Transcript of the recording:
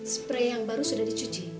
spray yang baru sudah dicuci